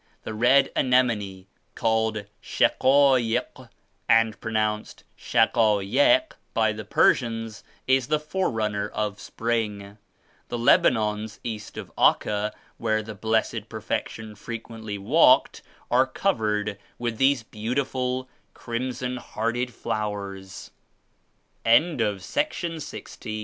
The red anemone, called 'Shaquaik' and pronounced *Shaka yek' by the Persians, is the forerunner of spring. The Lebanons east of Acca where 106 the Blessed Perfection frequently walked are covered with these beautiful, crimson hearted